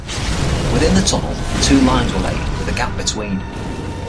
Within the tunnel, two lines were laid with a gap between.